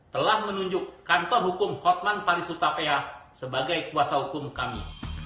telah menunjuk kantor hukum hotman paris utapaya sebagai kuasa hukum kami